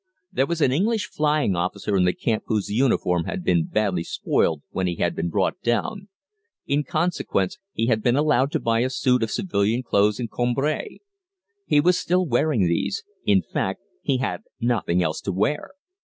There was an English flying officer in the camp whose uniform had been badly spoilt when he had been brought down. In consequence, he had been allowed to buy a suit of civilian clothes in Cambrai. He was still wearing these; in fact, he had nothing else to wear.